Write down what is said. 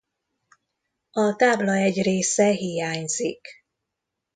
A tábla egy része hiányzik.